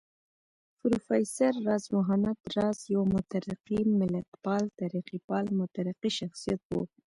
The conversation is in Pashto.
پروفېسر راز محمد راز يو مترقي ملتپال، ترقيپال مترقي شخصيت و